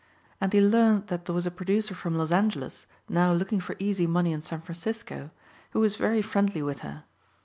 And he learned that there was a producer from Los Angeles now looking for easy money in San Francisco who was very friendly with her.